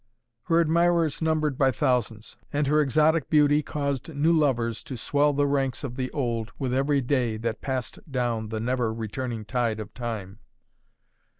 Her admirers numbered by thousands, and her exotic beauty caused new lovers to swell the ranks of the old with every day that passed down the never returning tide of time.